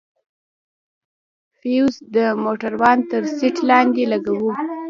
فيوز د موټروان تر سيټ لاندې لگوو.